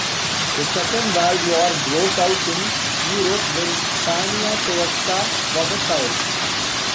The Second World War broke out in Europe when Poniatowska was a child.